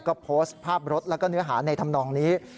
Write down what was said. ก็โพสต์ภาพรถและเนื้อหาในธำนองนี้